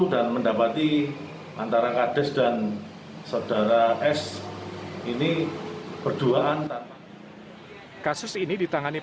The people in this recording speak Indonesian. dan mendapati antara kades dan saudara es ini berduaan tanpa kasus ini ditangani